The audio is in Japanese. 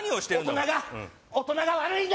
大人が大人が悪いんだ！